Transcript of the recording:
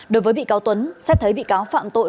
đối với bị cáo tuấn xét thấy bị cáo phạm tội